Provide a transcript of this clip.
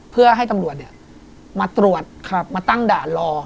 เพื่อให้ตำรวจมาตรวจมาตั้งด่านรอ